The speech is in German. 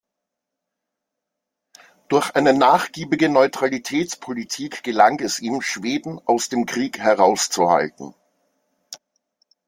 Durch eine nachgiebige Neutralitätspolitik gelang es ihm, Schweden aus dem Krieg herauszuhalten.